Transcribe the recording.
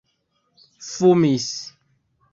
fumis